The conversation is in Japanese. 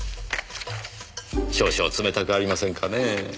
少々冷たくありませんかねえ。